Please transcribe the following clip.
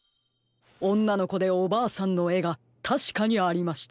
おんなのこでおばあさんのえがたしかにありました。